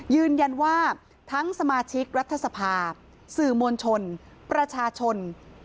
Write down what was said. ยืนยันว่าทั้งสมาชิกรัฐสภาสื่อมวลชนประชาชน